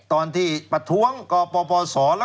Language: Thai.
ตอนที่ปัดทวงก่อปอพพอท์สอน